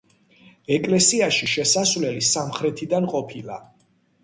ეკლესიაში შესასვლელი სამხრეთიდან ყოფილა.